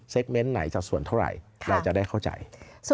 เซกเมนท์แหละจะส่วนเท่าไหร่